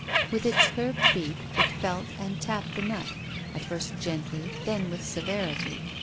With its curved beak it felt and tapped the nut, at first gently, then with severity.